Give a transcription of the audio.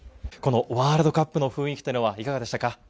ワールドカップの雰囲気というのはいかがでしたか？